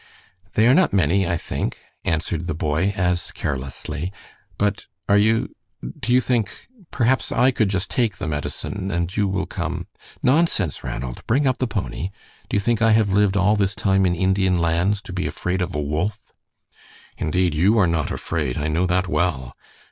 "They are not many, I think," answered the boy as carelessly; "but are you do you think perhaps I could just take the medicine and you will come " "Nonsense, Ranald! bring up the pony. Do you think I have lived all this time in Indian Lands to be afraid of a wolf?" "Indeed, you are not afraid, I know that well!"